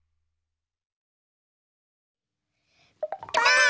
ばあっ！